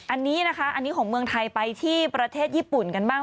อันนี้นะคะอันนี้ของเมืองไทยไปที่ประเทศญี่ปุ่นกันบ้าง